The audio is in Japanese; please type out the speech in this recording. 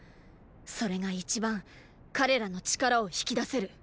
それが一番彼らの力を引き出せる。